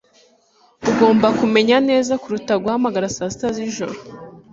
Ugomba kumenya neza kuruta guhamagara saa sita z'ijoro.